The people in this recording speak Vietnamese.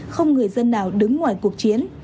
không người dân nào đứng ngoài cuộc chiến